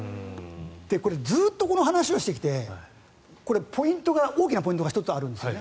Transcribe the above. これ、ずっとこの話をしてきて大きなポイントが１つあるんです。